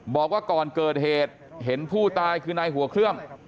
บอกว่าก่อนเกิดเหตุเห็นผู้ตายคือนายหัวเครื่อง